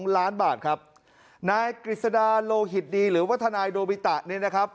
ล้านบาทครับนายกฤษดาโลหิตดีหรือว่าทนายโดบิตะเนี่ยนะครับ